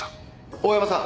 大山さん